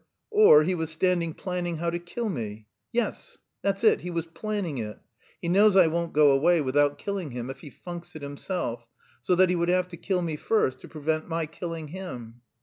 or he was standing planning how to kill me. Yes, that's it, he was planning it.... He knows I won't go away without killing him if he funks it himself so that he would have to kill me first to prevent my killing him....